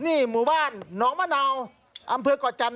นี่มุกบ้านหนองมะเนาอำเภอก่าวจันทร์